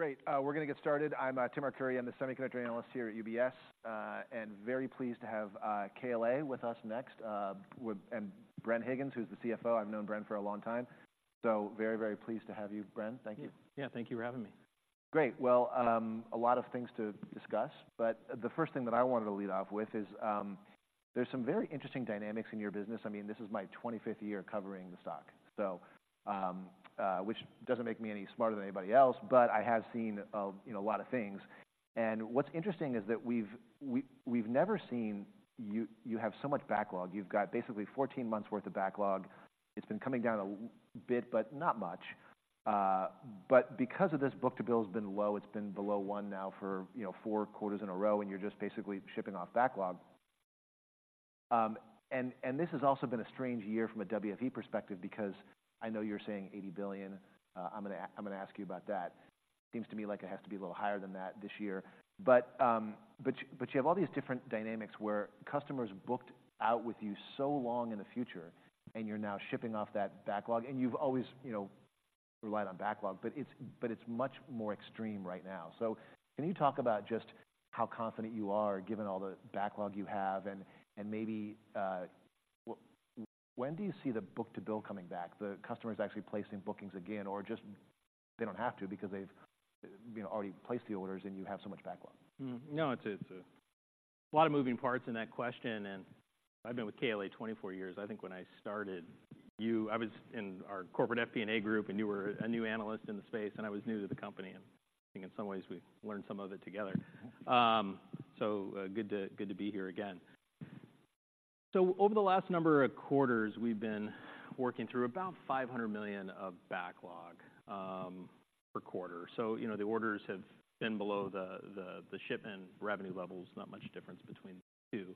Great, we're gonna get started. I'm Tim Arcuri. I'm the Semiconductor Analyst here at UBS, and very pleased to have KLA with us next, with and Bren Higgins, who's the CFO. I've known Bren for a long time. So very, very pleased to have you, Bren. Thank you. Yeah, thank you for having me. Great. Well, a lot of things to discuss, but the first thing that I wanted to lead off with is, there's some very interesting dynamics in your business. I mean, this is my 25th year covering the stock, so, which doesn't make me any smarter than anybody else, but I have seen, you know, a lot of things. And what's interesting is that we've never seen you have so much backlog. You've got basically 14 months worth of backlog. It's been coming down a bit, but not much. But because of this, book-to-bill's been low, it's been below one now for, you know, four quarters in a row, and you're just basically shipping off backlog. And this has also been a strange year from a WFE perspective because I know you're saying $80 billion. I'm gonna ask you about that. Seems to me like it has to be a little higher than that this year. But you have all these different dynamics where customers booked out with you so long in the future, and you're now shipping off that backlog, and you've always, you know, relied on backlog, but it's much more extreme right now. So can you talk about just how confident you are, given all the backlog you have, and maybe when do you see the book-to-bill coming back, the customers actually placing bookings again, or just they don't have to because they've, you know, already placed the orders, and you have so much backlog? No, it's a lot of moving parts in that question, and I've been with KLA 24 years. I think when I started, you—I was in our corporate FP&A group, and you were a new analyst in the space, and I was new to the company. I think in some ways, we learned some of it together. Good to be here again. So over the last number of quarters, we've been working through about $500 million of backlog per quarter. You know, the orders have been below the shipment revenue levels, not much difference between the two.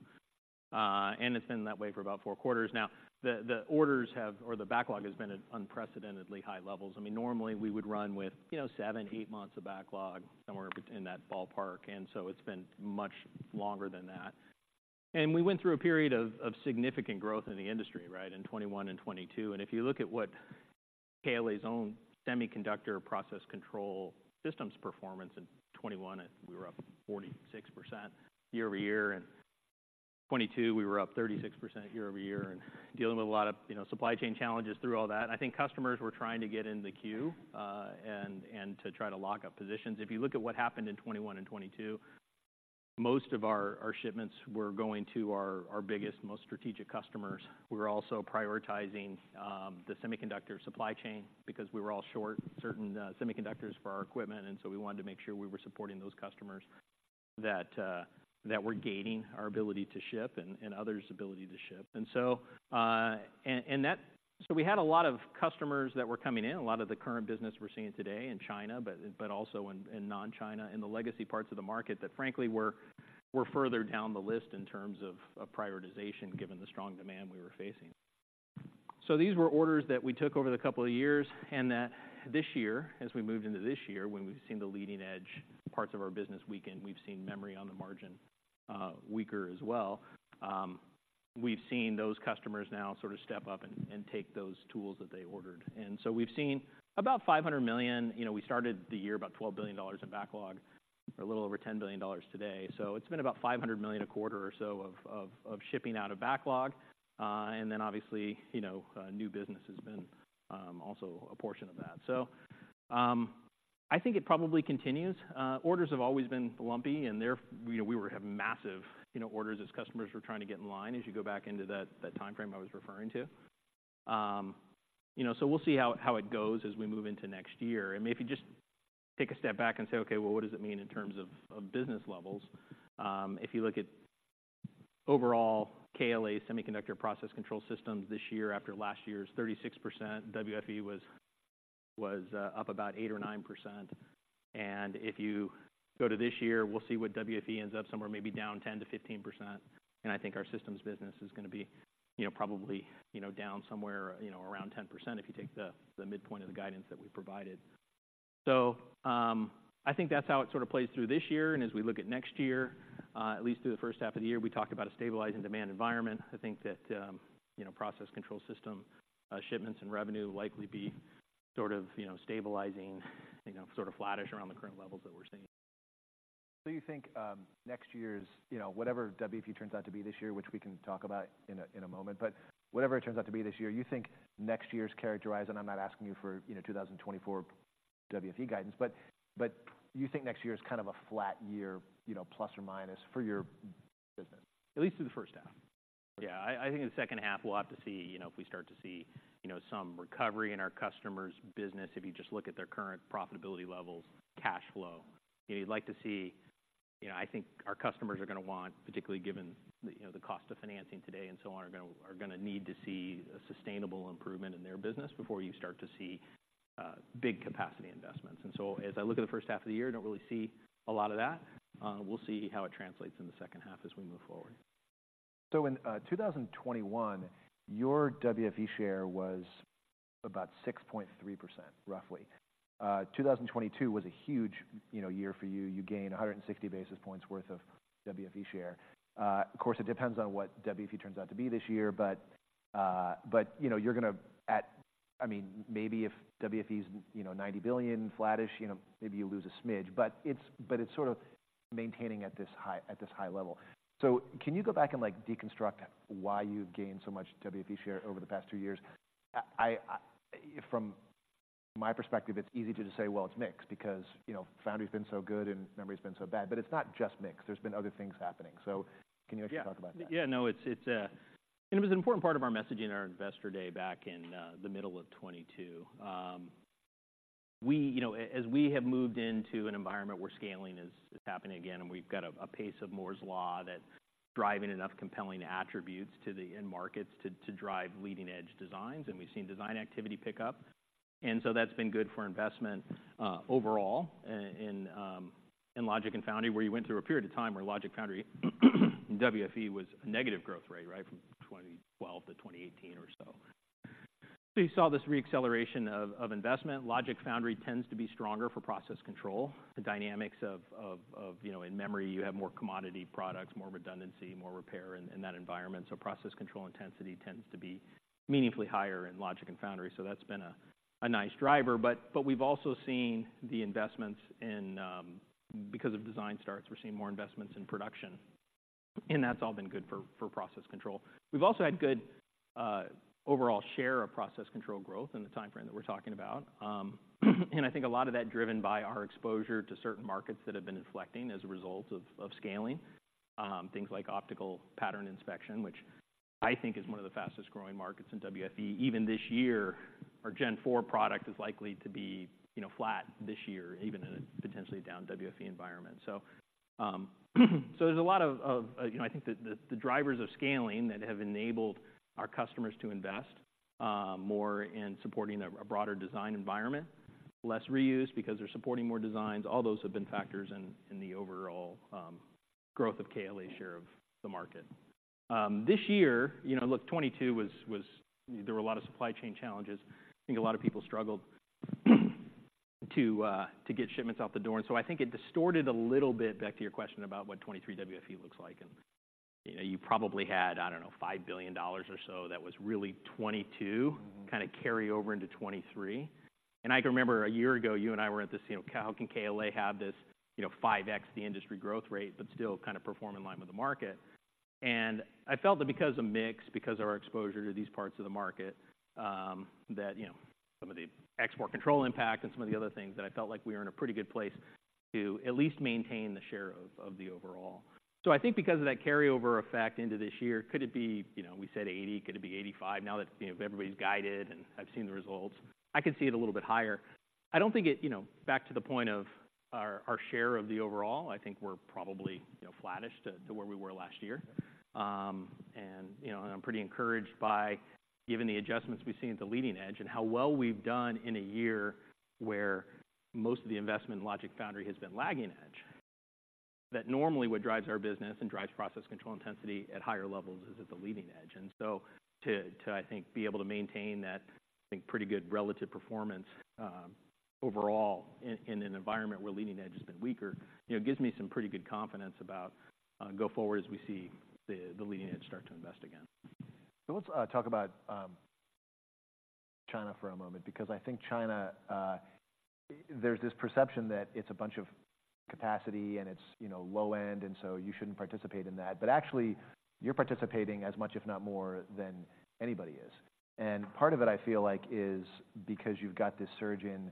And it's been that way for about four quarters now. The orders have, or the backlog has been at unprecedentedly high levels. I mean, normally, we would run with, you know, seven, eight months of backlog, somewhere in that ballpark, and so it's been much longer than that. We went through a period of significant growth in the industry, right, in 2021 and 2022. And if you look at what KLA's own semiconductor process control systems performance in 2021, we were up 46% year-over-year, and 2022, we were up 36% year-over-year, and dealing with a lot of, you know, supply chain challenges through all that. I think customers were trying to get in the queue and to try to lock up positions. If you look at what happened in 2021 and 2022, most of our shipments were going to our biggest, most strategic customers. We were also prioritizing the semiconductor supply chain because we were all short certain semiconductors for our equipment, and so we wanted to make sure we were supporting those customers that were gaining our ability to ship and others' ability to ship. So we had a lot of customers that were coming in, a lot of the current business we're seeing today in China, but also in non-China and the legacy parts of the market that, frankly, were further down the list in terms of prioritization, given the strong demand we were facing. So these were orders that we took over the couple of years, and that this year, as we moved into this year, when we've seen the leading-edge parts of our business weaken, we've seen memory on the margin weaker as well. We've seen those customers now sort of step up and take those tools that they ordered. And so we've seen about $500 million, you know, we started the year about $12 billion in backlog, or a little over $10 billion today. So it's been about $500 million a quarter or so of shipping out of backlog. And then obviously, you know, new business has been also a portion of that. So, I think it probably continues. Orders have always been lumpy, and they're. We were having massive, you know, orders as customers were trying to get in line, as you go back into that timeframe I was referring to. You know, so we'll see how it goes as we move into next year. I mean, if you just take a step back and say, "Okay, well, what does it mean in terms of, of business levels?" If you look at overall KLA semiconductor process control systems this year, after last year's 36%, WFE was up about 8% or 9%. And if you go to this year, we'll see what WFE ends up, somewhere maybe down 10%-15%, and I think our systems business is gonna be, you know, probably, you know, down somewhere, you know, around 10%, if you take the midpoint of the guidance that we provided. So, I think that's how it sort of plays through this year. And as we look at next year, at least through the first half of the year, we talked about a stabilizing demand environment. I think that, you know, process control system, shipments and revenue will likely be sort of, you know, sort of flattish around the current levels that we're seeing. So you think, next year's, you know, whatever WFE turns out to be this year, which we can talk about in a moment, but whatever it turns out to be this year, you think next year is kind of a flat year, you know, plus or minus, for your business, at least through the first half? Yeah, I, I think in the second half, we'll have to see, you know, if we start to see, you know, some recovery in our customers' business, if you just look at their current profitability levels, cash flow. You'd like to see, you know, I think our customers are gonna want, particularly given the, you know, the cost of financing today and so on, are gonna, are gonna need to see a sustainable improvement in their business before you start to see big capacity investments. And so as I look at the first half of the year, I don't really see a lot of that. We'll see how it translates in the second half as we move forward. So in 2021, your WFE share was about 6.3%, roughly. 2022 was a huge, you know, year for you. You gained 160 basis points worth of WFE share. Of course, it depends on what WFE turns out to be this year, but, you know, you're going to I mean, maybe if WFE's, you know, $90 billion, flattish, you know, maybe you lose a smidge, but it's, but it's sort of maintaining at this high, at this high level. So can you go back and, like, deconstruct why you've gained so much WFE share over the past two years? I, from my perspective, it's easy to just say, "Well, it's mixed," because, you know, foundry's been so good and memory's been so bad. It's not just mixed; there's been other things happening. Can you actually talk about that? Yeah. No, it's. And it was an important part of our messaging in our Investor Day back in the middle of 2022. We, you know, as we have moved into an environment where scaling is, is happening again, and we've got a pace of Moore's Law that's driving enough compelling attributes to the end markets to, to drive leading-edge designs, and we've seen design activity pick up. And so that's been good for investment overall in logic and foundry, where you went through a period of time where logic foundry WFE was a negative growth rate, right, from 2012 to 2018 or so. So you saw this reacceleration of investment. Logic foundry tends to be stronger for process control. The dynamics of, you know, in memory, you have more commodity products, more redundancy, more repair in that environment. So process control intensity tends to be meaningfully higher in logic and foundry, so that's been a nice driver. But we've also seen the investments in, because of design starts, we're seeing more investments in production, and that's all been good for process control. We've also had good overall share of process control growth in the timeframe that we're talking about. And I think a lot of that driven by our exposure to certain markets that have been inflecting as a result of scaling. Things like optical pattern inspection, which I think is one of the fastest-growing markets in WFE. Even this year, our Gen 4 product is likely to be, you know, flat this year, even in a potentially down WFE environment. So there's a lot of, you know, I think the drivers of scaling that have enabled our customers to invest more in supporting a broader design environment, less reuse because they're supporting more designs, all those have been factors in the overall growth of KLA share of the market. This year, you know, look, 2022 was—there were a lot of supply chain challenges. I think a lot of people struggled to get shipments out the door, and so I think it distorted a little bit, back to your question about what 2023 WFE looks like. You know, you probably had, I don't know, $5 billion or so that was really 2022- Mm-hmm. kind of carry over into 2023. And I can remember a year ago, you and I were at this, you know, how can KLA have this, you know, 5x the industry growth rate, but still kind of perform in line with the market? And I felt that because of mix, because of our exposure to these parts of the market, that, you know, some of the export control impact and some of the other things, that I felt like we were in a pretty good place to at least maintain the share of the overall. So I think because of that carryover effect into this year, could it be, you know, we said 80, could it be 85 now that, you know, everybody's guided and I've seen the results? I could see it a little bit higher. I don't think it, you know, back to the point of our share of the overall. I think we're probably, you know, flattish to where we were last year. And, you know, and I'm pretty encouraged by given the adjustments we've seen at the leading edge and how well we've done in a year where most of the investment in logic foundry has been lagging edge, that normally what drives our business and drives process control intensity at higher levels is at the leading edge. And so to, I think, be able to maintain that, I think, pretty good relative performance overall in an environment where leading edge has been weaker, you know, gives me some pretty good confidence about go forward as we see the leading edge start to invest again. So let's talk about China for a moment, because I think China, there's this perception that it's a bunch of capacity and it's, you know, low end, and so you shouldn't participate in that. But actually, you're participating as much, if not more, than anybody is. And part of it, I feel like, is because you've got this surge in,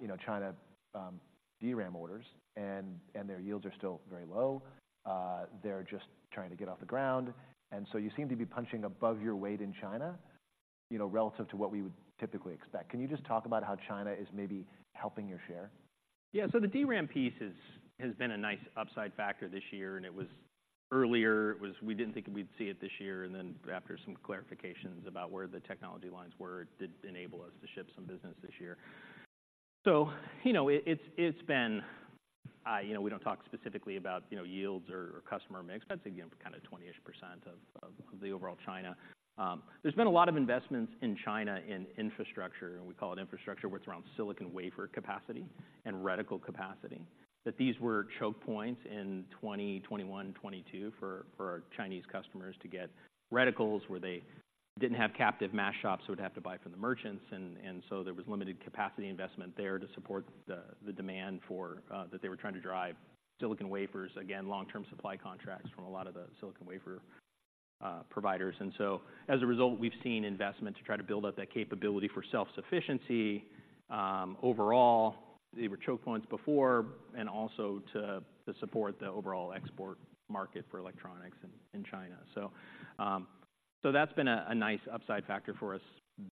you know, China, DRAM orders, and their yields are still very low. They're just trying to get off the ground, and so you seem to be punching above your weight in China, you know, relative to what we would typically expect. Can you just talk about how China is maybe helping your share? Yeah. So the DRAM piece is, has been a nice upside factor this year, and it was earlier, it was-- we didn't think we'd see it this year, and then after some clarifications about where the technology lines were, it did enable us to ship some business this year. So you know, it, it's, it's been, you know, we don't talk specifically about, you know, yields or, or customer mix. That's, again, kind of 20-ish% of, of, of the overall China. There's been a lot of investments in China in infrastructure, and we call it infrastructure, where it's around silicon wafer capacity and reticle capacity. That these were choke points in 2020, 2021, 2022 for our Chinese customers to get reticles, where they didn't have captive mask shops, so would have to buy from the merchants, and so there was limited capacity investment there to support the demand for that they were trying to drive silicon wafers. Again, long-term supply contracts from a lot of the silicon wafer providers. And so as a result, we've seen investment to try to build out that capability for self-sufficiency. Overall, they were choke points before, and also to support the overall export market for electronics in China. So, so that's been a nice upside factor for us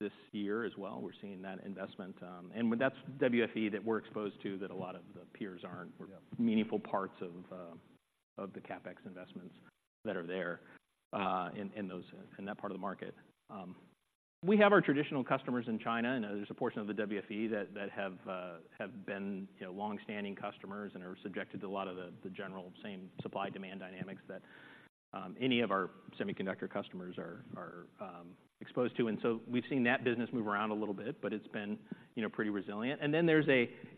this year as well. We're seeing that investment, and that's WFE that we're exposed to, that a lot of the peers aren't- Yeah... meaningful parts of the CapEx investments that are there, in those, in that part of the market. We have our traditional customers in China, and there's a portion of the WFE that have been, you know, long-standing customers and are subjected to a lot of the general same supply-demand dynamics that any of our semiconductor customers are exposed to. And so we've seen that business move around a little bit, but it's been, you know, pretty resilient. And then there's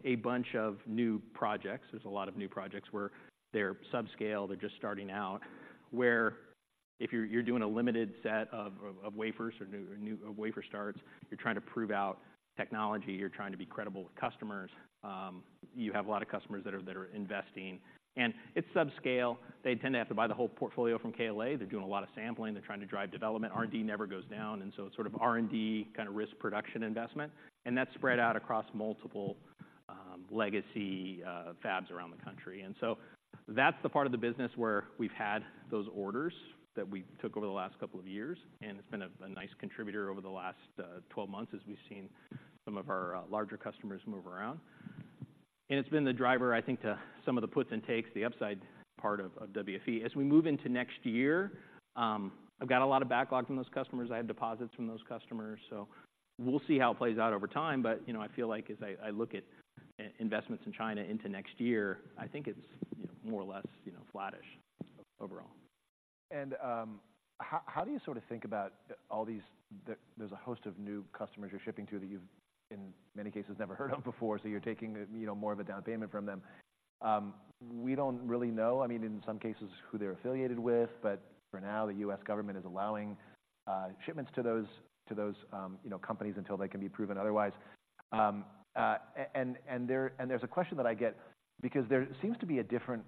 a bunch of new projects. There's a lot of new projects where they're subscale, they're just starting out, where-... If you're doing a limited set of wafers or new wafer starts, you're trying to prove out technology, you're trying to be credible with customers, you have a lot of customers that are investing. And it's subscale. They tend to have to buy the whole portfolio from KLA. They're doing a lot of sampling. They're trying to drive development. R&D never goes down, and so it's sort of R&D kind of risk production investment, and that's spread out across multiple legacy fabs around the country. And so that's the part of the business where we've had those orders that we took over the last couple of years, and it's been a nice contributor over the last 12 months as we've seen some of our larger customers move around. And it's been the driver, I think, to some of the puts and takes, the upside part of WFE. As we move into next year, I've got a lot of backlog from those customers. I have deposits from those customers, so we'll see how it plays out over time. But, you know, I feel like as I look at investments in China into next year, I think it's, you know, more or less, you know, flattish overall. And, how do you sort of think about all these... There's a host of new customers you're shipping to that you've, in many cases, never heard of before, so you're taking, you know, more of a down payment from them. We don't really know, I mean, in some cases, who they're affiliated with, but for now, the U.S. government is allowing shipments to those companies until they can be proven otherwise. And there's a question that I get because there seems to be a different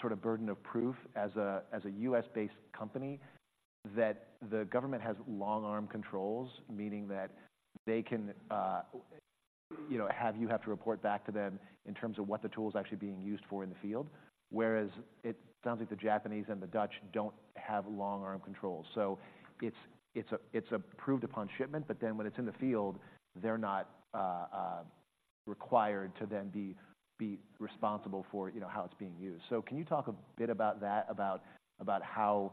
sort of burden of proof as a U.S.-based company, that the government has long arm controls, meaning that they can have you have to report back to them in terms of what the tool is actually being used for in the field. Whereas it sounds like the Japanese and the Dutch don't have long arm controls. So it's approved upon shipment, but then when it's in the field, they're not required to then be responsible for, you know, how it's being used. So can you talk a bit about that, about how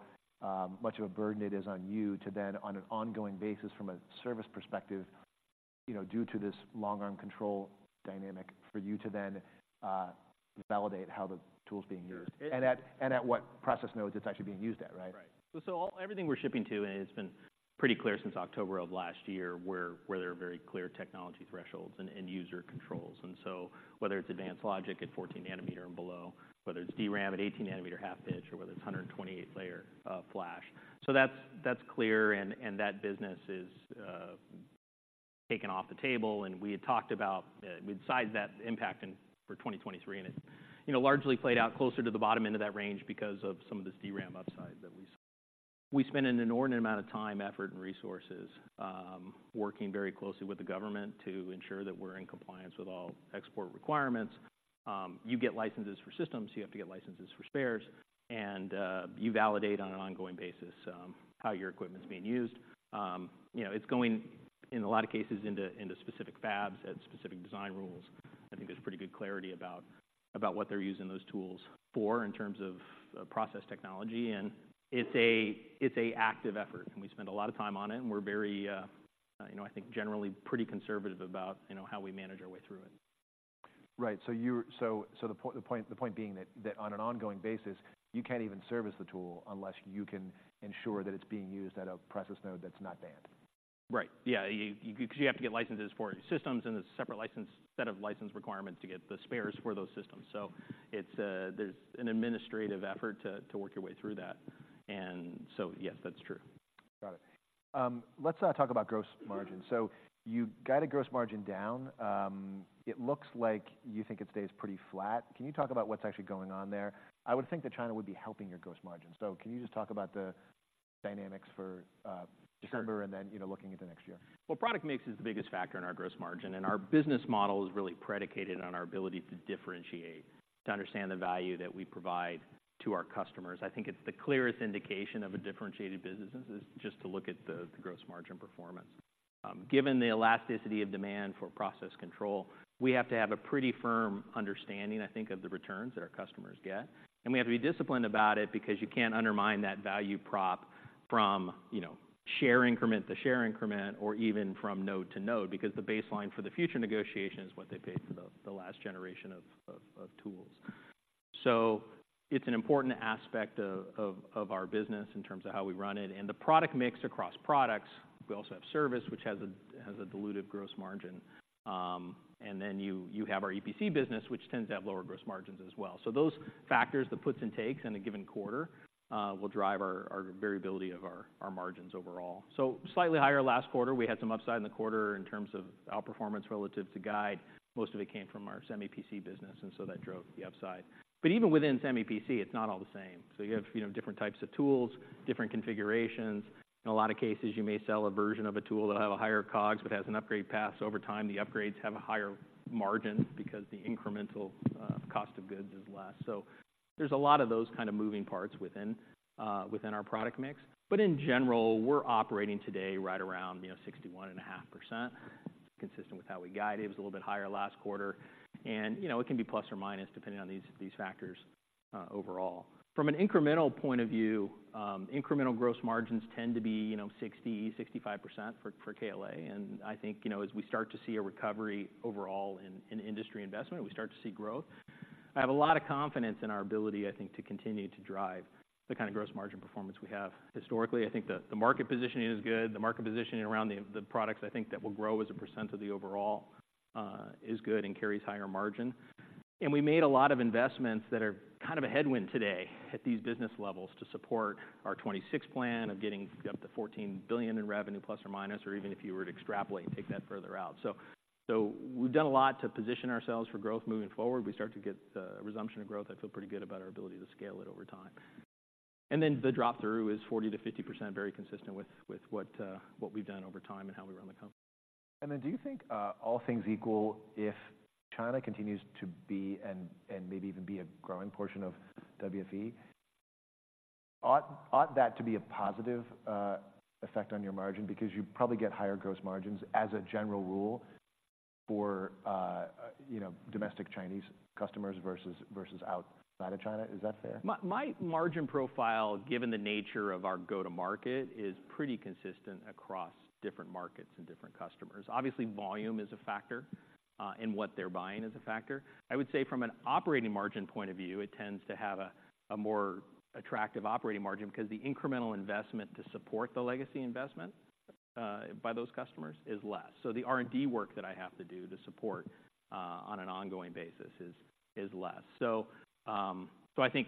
much of a burden it is on you to then, on an ongoing basis from a service perspective, you know, due to this long arm control dynamic, for you to then validate how the tool's being used? Sure. And at what process nodes it's actually being used at, right? Right. So everything we're shipping to, and it's been pretty clear since October of last year, where there are very clear technology thresholds and user controls. So whether it's advanced logic at 14 nm and below, whether it's DRAM at 18 nm half pitch, or whether it's 128-layer flash. So that's clear, and that business is taken off the table, and we had talked about, we'd sized that impact in for 2023, and it, you know, largely played out closer to the bottom end of that range because of some of this DRAM upside that we saw. We spent an inordinate amount of time, effort, and resources, working very closely with the government to ensure that we're in compliance with all export requirements. You get licenses for systems, you have to get licenses for spares, and you validate on an ongoing basis how your equipment's being used. You know, it's going, in a lot of cases, into specific fabs and specific design rules. I think there's pretty good clarity about what they're using those tools for in terms of process technology. It's an active effort, and we spend a lot of time on it, and we're very, you know, I think, generally pretty conservative about, you know, how we manage our way through it. Right. So you're— So, the point being that on an ongoing basis, you can't even service the tool unless you can ensure that it's being used at a process node that's not banned. Right. Yeah, you. Because you have to get licenses for systems and a separate license, set of license requirements to get the spares for those systems. So it's, there's an administrative effort to work your way through that, and so, yes, that's true. Got it. Let's talk about gross margin. So you guided gross margin down. It looks like you think it stays pretty flat. Can you talk about what's actually going on there? I would think that China would be helping your gross margin. So can you just talk about the dynamics for, Sure. December and then, you know, looking into next year? Well, product mix is the biggest factor in our gross margin, and our business model is really predicated on our ability to differentiate, to understand the value that we provide to our customers. I think it's the clearest indication of a differentiated business is just to look at the gross margin performance. Given the elasticity of demand for process control, we have to have a pretty firm understanding, I think, of the returns that our customers get. And we have to be disciplined about it because you can't undermine that value prop from, you know, share increment to share increment or even from node to node, because the baseline for the future negotiation is what they paid for the last generation of tools. So it's an important aspect of our business in terms of how we run it. The product mix across products, we also have service, which has a diluted gross margin. And then you have our EPC business, which tends to have lower gross margins as well. So those factors, the puts and takes in a given quarter, will drive our variability of our margins overall. So slightly higher last quarter. We had some upside in the quarter in terms of outperformance relative to guide. Most of it came from our Semi PC business, and so that drove the upside. But even within Semi PC, it's not all the same. So you have, you know, different types of tools, different configurations. In a lot of cases, you may sell a version of a tool that will have a higher COGS, but has an upgrade path. So over time, the upgrades have a higher margin because the incremental cost of goods is less. So there's a lot of those kind of moving parts within, within our product mix. But in general, we're operating today right around, you know, 61.5%, consistent with how we guided. It was a little bit higher last quarter. And, you know, it can be plus or minus, depending on these, these factors, overall. From an incremental point of view, incremental gross margins tend to be, you know, 60-65% for, for KLA. And I think, you know, as we start to see a recovery overall in, in industry investment, we start to see growth. I have a lot of confidence in our ability, I think, to continue to drive the kind of gross margin performance we have historically. I think the market positioning is good. The market positioning around the products, I think, that will grow as a percent of the overall is good and carries higher margin... and we made a lot of investments that are kind of a headwind today at these business levels to support our 2026 plan of getting up to ±$14 billion in revenue, or even if you were to extrapolate and take that further out. So we've done a lot to position ourselves for growth moving forward. We start to get a resumption of growth, I feel pretty good about our ability to scale it over time. And then the drop-through is 40%-50%, very consistent with what we've done over time and how we run the company. And then do you think, all things equal, if China continues to be, and maybe even be a growing portion of WFE, ought that to be a positive effect on your margin? Because you probably get higher gross margins as a general rule for, you know, domestic Chinese customers versus outside of China. Is that fair? My margin profile, given the nature of our go-to-market, is pretty consistent across different markets and different customers. Obviously, volume is a factor, and what they're buying is a factor. I would say from an operating margin point of view, it tends to have a more attractive operating margin, because the incremental investment to support the legacy investment by those customers is less. So the R&D work that I have to do to support on an ongoing basis is less. So I think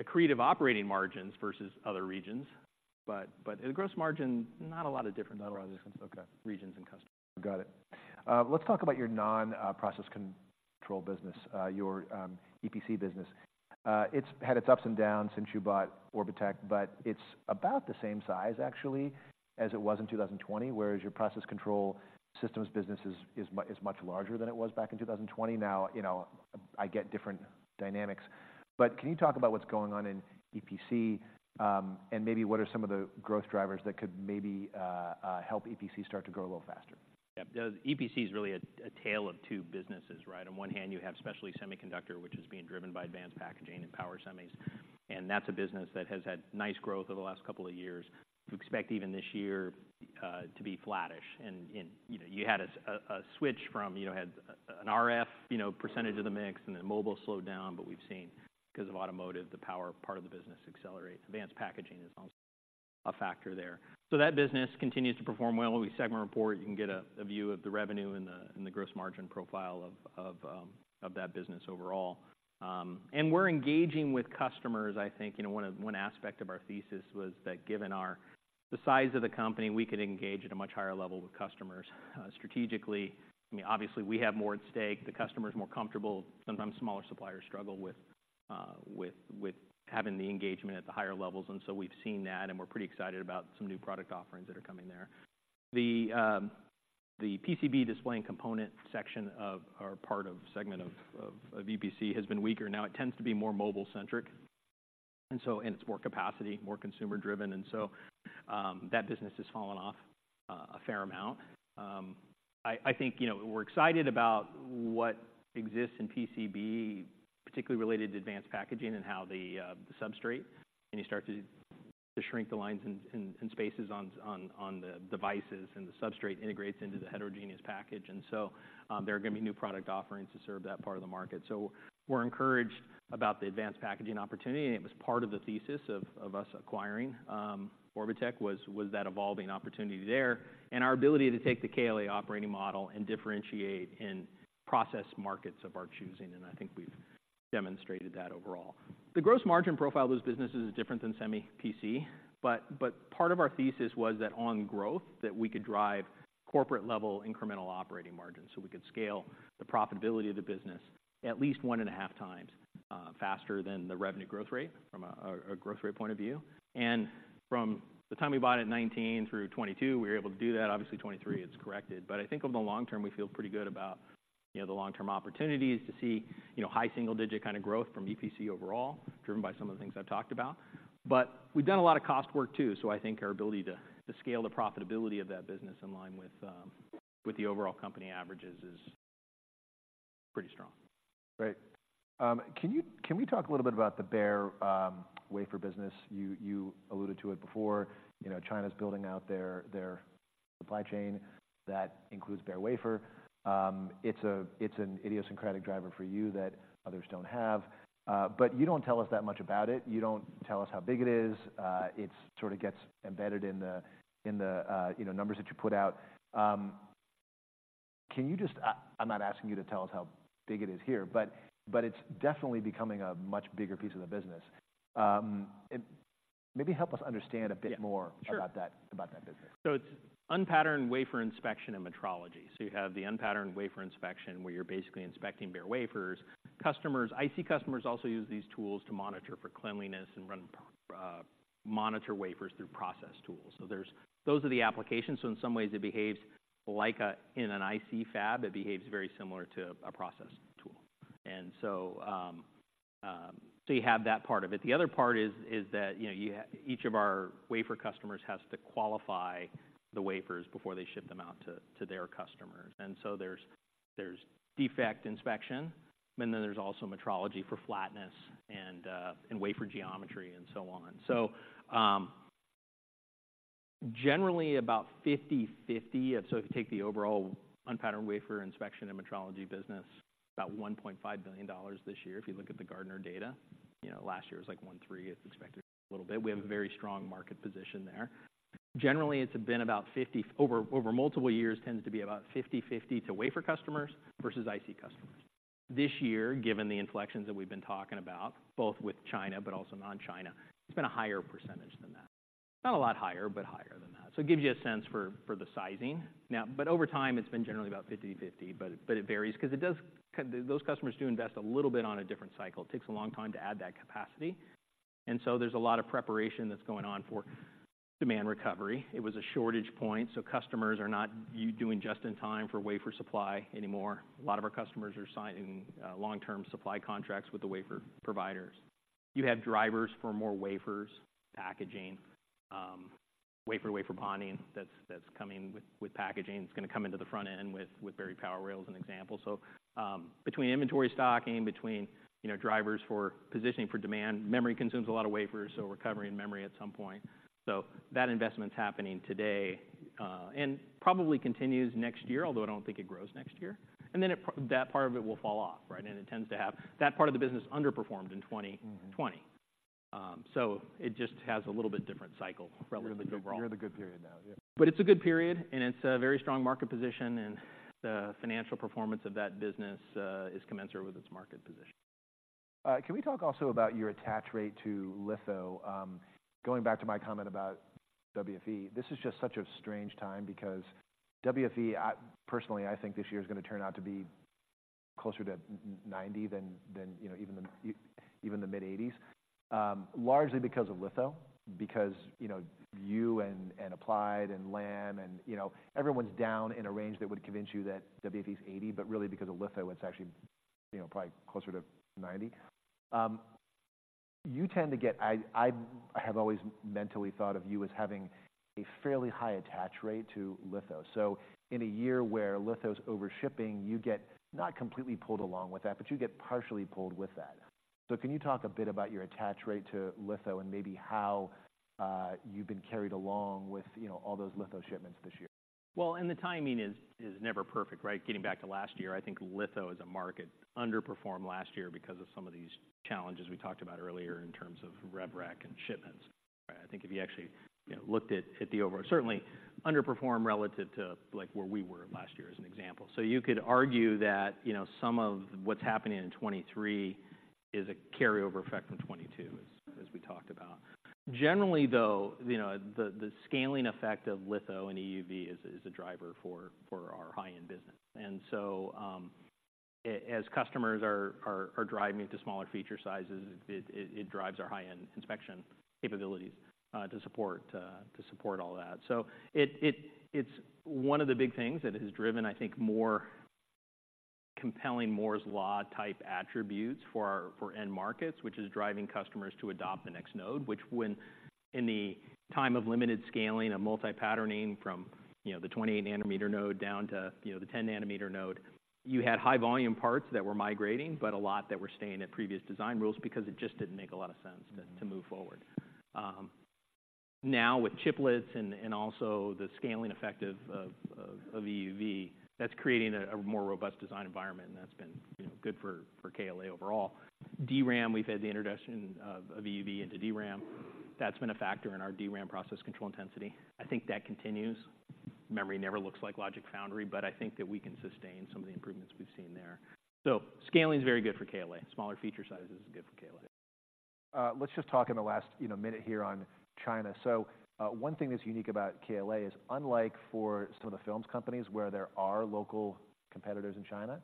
accretive operating margins versus other regions, but in the gross margin, not a lot of difference, not a lot of difference. Okay... regions and customers. Got it. Let's talk about your non process control business, your EPC business. It's had its ups and downs since you bought Orbotech, but it's about the same size actually, as it was in 2020, whereas your process control systems business is much larger than it was back in 2020. Now, you know, I get different dynamics, but can you talk about what's going on in EPC, and maybe what are some of the growth drivers that could maybe help EPC start to grow a little faster? Yeah. EPC is really a tale of two businesses, right? On one hand, you have specialty semiconductor, which is being driven by advanced packaging and power semis, and that's a business that has had nice growth over the last couple of years. We expect even this year to be flattish, and you know, you had a switch from, you know, had an RF, you know, percentage of the mix, and then mobile slowed down. But we've seen, because of automotive, the power part of the business accelerate. Advanced packaging is also a factor there. So that business continues to perform well. When we segment report, you can get a view of the revenue and the gross margin profile of that business overall. And we're engaging with customers. I think, you know, one of... One aspect of our thesis was that given our, the size of the company, we could engage at a much higher level with customers, strategically. I mean, obviously, we have more at stake, the customer is more comfortable. Sometimes smaller suppliers struggle with having the engagement at the higher levels, and so we've seen that, and we're pretty excited about some new product offerings that are coming there. The PCB, Display Component section of, or part of segment of EPC has been weaker. Now, it tends to be more mobile-centric, and so it's more capacity, more consumer-driven, and so that business has fallen off a fair amount. I think, you know, we're excited about what exists in PCB, particularly related to advanced packaging and how the substrate, and you start to shrink the lines and spaces on the devices, and the substrate integrates into the heterogeneous package. And so, there are going to be new product offerings to serve that part of the market. So we're encouraged about the advanced packaging opportunity, and it was part of the thesis of us acquiring Orbotech, was that evolving opportunity there, and our ability to take the KLA operating model and differentiate in process markets of our choosing, and I think we've demonstrated that overall. The gross margin profile of those businesses is different than Semi PC, but part of our thesis was that on growth, that we could drive corporate-level incremental operating margins. So we could scale the profitability of the business at least 1.5x faster than the revenue growth rate from a growth rate point of view. And from the time we bought it in 2019 through 2022, we were able to do that. Obviously, 2023, it's corrected. But I think over the long term, we feel pretty good about, you know, the long-term opportunities to see, you know, high single-digit kind of growth from EPC overall, driven by some of the things I've talked about. But we've done a lot of cost work too, so I think our ability to scale the profitability of that business in line with with the overall company averages is pretty strong. Great. Can we talk a little bit about the bare wafer business? You alluded to it before. You know, China's building out their supply chain that includes bare wafer. It's an idiosyncratic driver for you that others don't have, but you don't tell us that much about it. You don't tell us how big it is. It sort of gets embedded in the, you know, numbers that you put out. Can you just... I'm not asking you to tell us how big it is here, but it's definitely becoming a much bigger piece of the business. And maybe help us understand a bit more- Yeah, sure... about that, about that business. So it's unpatterned wafer inspection and metrology. So you have the unpatterned wafer inspection, where you're basically inspecting bare wafers. Customers, IC customers also use these tools to monitor for cleanliness and run monitor wafers through process tools. So, those are the applications. So in some ways, it behaves like a, in an IC fab, it behaves very similar to a process tool. And so, so you have that part of it. The other part is that, you know, you have each of our wafer customers has to qualify the wafers before they ship them out to their customers. And so there's defect inspection, and then there's also metrology for flatness and wafer geometry, and so on. So, generally, about 50/50. So if you take the overall unpatterned wafer inspection and metrology business, about $1.5 billion this year. If you look at the Gartner data, you know, last year was, like, $1.3 billion. It's expected a little bit. We have a very strong market position there.... Generally, it's been about 50% over multiple years, tends to be about 50/50 to wafer customers versus IC customers. This year, given the inflections that we've been talking about, both with China but also non-China, it's been a higher percentage than that. Not a lot higher, but higher than that. So it gives you a sense for the sizing. Now, but over time, it's been generally about 50/50, but it varies because it does—those customers do invest a little bit on a different cycle. It takes a long time to add that capacity, and so there's a lot of preparation that's going on for demand recovery. It was a shortage point, so customers are not doing just-in-time for wafer supply anymore. A lot of our customers are signing long-term supply contracts with the wafer providers. You have drivers for more wafers, packaging, wafer-to-wafer bonding that's coming with packaging. It's going to come into the front end with buried power rail as an example. So, between inventory stocking, you know, drivers for positioning for demand, memory consumes a lot of wafers, so recovery in memory at some point. So that investment's happening today, and probably continues next year, although I don't think it grows next year. And then that part of it will fall off, right? And it tends to have... That part of the business underperformed in 2020. Mm-hmm. It just has a little bit different cycle relative to overall. You're in the good period now, yeah. But it's a good period, and it's a very strong market position, and the financial performance of that business is commensurate with its market position. Can we talk also about your attach rate to litho? Going back to my comment about WFE, this is just such a strange time because WFE, personally, I think this year is going to turn out to be closer to 90 than, you know, even the mid-80s, largely because of litho. Because, you know, you and Applied and Lam and, you know, everyone's down in a range that would convince you that WFE's 80, but really because of litho, it's actually, you know, probably closer to 90. You tend to get. I have always mentally thought of you as having a fairly high attach rate to litho. So in a year where litho's overshipping, you get not completely pulled along with that, but you get partially pulled with that. So can you talk a bit about your attach rate to litho and maybe how you've been carried along with, you know, all those litho shipments this year? Well, and the timing is never perfect, right? Getting back to last year, I think litho as a market underperformed last year because of some of these challenges we talked about earlier in terms of rev rec and shipments. I think if you actually, you know, looked at the overall, certainly underperformed relative to, like, where we were last year as an example. So you could argue that, you know, some of what's happening in 2023 is a carry-over effect from 2022, as we talked about. Generally, though, you know, the scaling effect of litho and EUV is a driver for our high-end business. And so, as customers are driving to smaller feature sizes, it drives our high-end inspection capabilities to support all that. So it's one of the big things that has driven, I think, more compelling Moore's Law-type attributes for our, for end markets, which is driving customers to adopt the next node. Which when in the time of limited scaling and multi-patterning from, you know, the 28-nm node down to, you know, the 10-m node, you had high volume parts that were migrating, but a lot that were staying at previous design rules because it just didn't make a lot of sense- Mm-hmm... to move forward. Now with chiplets and also the scaling effect of EUV, that's creating a more robust design environment, and that's been, you know, good for KLA overall. DRAM, we've had the introduction of EUV into DRAM. That's been a factor in our DRAM process control intensity. I think that continues. Memory never looks like logic foundry, but I think that we can sustain some of the improvements we've seen there. So scaling is very good for KLA. Smaller feature sizes is good for KLA. Let's just talk in the last, you know, minute here on China. So, one thing that's unique about KLA is unlike for some of the film companies, where there are local competitors in China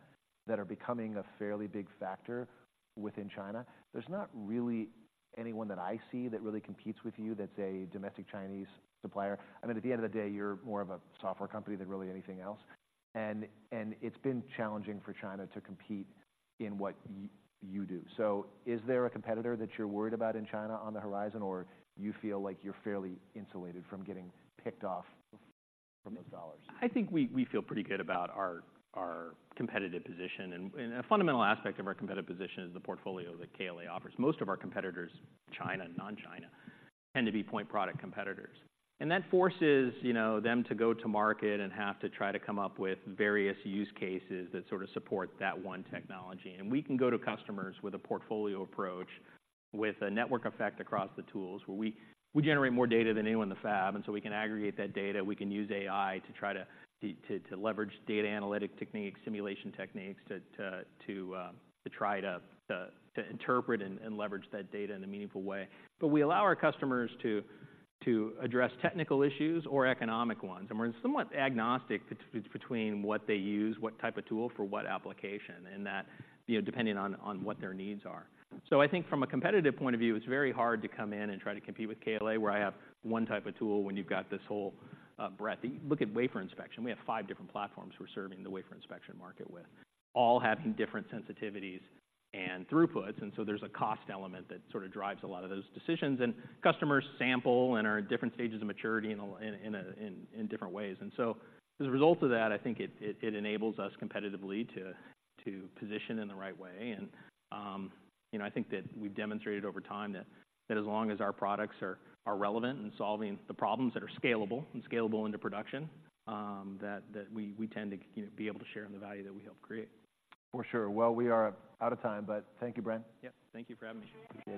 that are becoming a fairly big factor within China, there's not really anyone that I see that really competes with you that's a domestic Chinese supplier. I mean, at the end of the day, you're more of a software company than really anything else, and it's been challenging for China to compete in what you do. So is there a competitor that you're worried about in China on the horizon, or you feel like you're fairly insulated from getting picked off from those dollars? I think we feel pretty good about our competitive position, and a fundamental aspect of our competitive position is the portfolio that KLA offers. Most of our competitors, China and non-China, tend to be point product competitors. And that forces, you know, them to go to market and have to try to come up with various use cases that sort of support that one technology. And we can go to customers with a portfolio approach, with a network effect across the tools, where we generate more data than anyone in the fab, and so we can aggregate that data. We can use AI to try to leverage data analytic techniques, simulation techniques, to try to interpret and leverage that data in a meaningful way. But we allow our customers to address technical issues or economic ones, and we're somewhat agnostic between what they use, what type of tool for what application, and that, you know, depending on what their needs are. So I think from a competitive point of view, it's very hard to come in and try to compete with KLA, where I have one type of tool, when you've got this whole breadth. Look at wafer inspection. We have five different platforms we're serving the wafer inspection market with, all having different sensitivities and throughputs, and so there's a cost element that sort of drives a lot of those decisions. And customers sample and are at different stages of maturity in different ways. And so as a result of that, I think it enables us competitively to position in the right way. And, you know, I think that we've demonstrated over time that as long as our products are relevant in solving the problems that are scalable into production, that we tend to, you know, be able to share in the value that we help create. For sure. Well, we are out of time, but thank you, Bren. Yep. Thank you for having me.